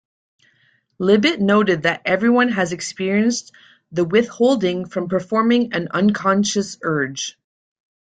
Libet noted that everyone has experienced the withholding from performing an unconscious urge.